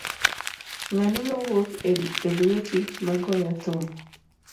Ngano mowuok e lueti magoyo thum.